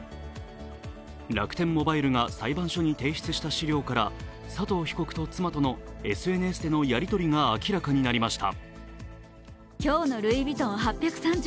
楽天モバイルが裁判所に提出した資料から佐藤被告と妻とのＳＮＳでのやりとりが明らかになりました。